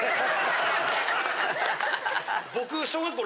僕。